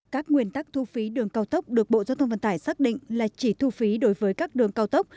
các nguyên tắc thu phí đường cao tốc được bộ giao thông vận tải xác định là chỉ thu phí đối với các đường cao tốc